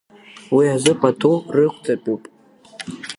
Уи азы пату рықәҵатәуп.